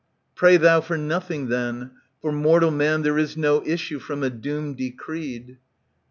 Pray thou for nothing then : for mortal man There is no issue from a doom decreed.